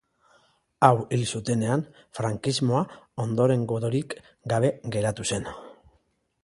Hau hil zutenean, frankismoa ondorengorik gabe geratu zen.